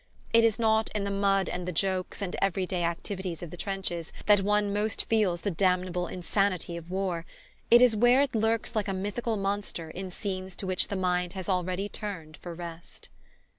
It is not in the mud and jokes and every day activities of the trenches that one most feels the damnable insanity of war; it is where it lurks like a mythical monster in scenes to which the mind has always turned for rest.